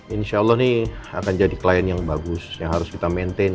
insya allah ini akan jadi klien yang bagus yang harus kita maintain